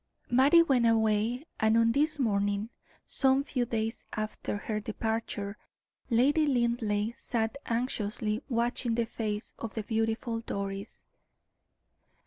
Mattie went away, and on this morning, some few days after her departure, Lady Linleigh sat anxiously watching the face of the beautiful Doris.